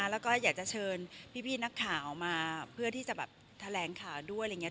แล้วก็อยากจะเชิญพี่นักข่าวมาเพื่อที่จะแบบแถลงข่าวด้วยอะไรอย่างนี้